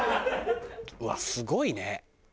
うわっすごいね。